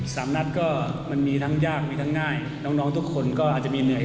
สามนัดก็มันมีทั้งยากมีทั้งง่ายน้องน้องทุกคนก็อาจจะมีเหนื่อย